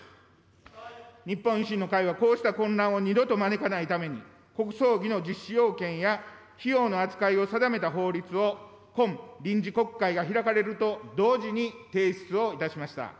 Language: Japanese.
日本維新の会はこうした混乱を二度と招かないために、国葬儀の実施要件や費用の扱いを定めた法律を、今臨時国会が開かれると同時に提出をいたしました。